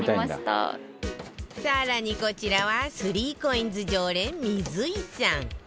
更にこちらは ３ＣＯＩＮＳ 常連水井さん